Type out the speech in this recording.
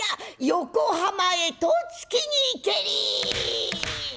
横浜へと着きにけり！